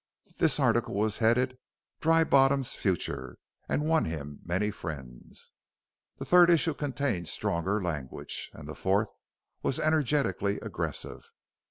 This article was headed: "Dry Bottom's Future," and won him many friends. The third issue contained stronger language, and the fourth was energetically aggressive.